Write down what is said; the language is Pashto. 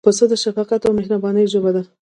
پسه د شفقت او مهربانۍ ژبه ده.